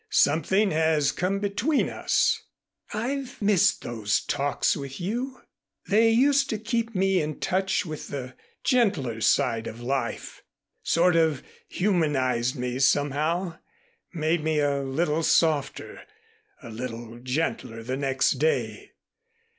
Something has come between us. I've missed those talks with you. They used to keep me in touch with the gentler side of life, sort of humanized me somehow, made me a little softer, a little gentler the next day.